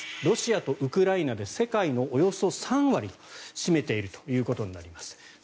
ロシアとウクライナで世界のおよそ３割を占めているということになります。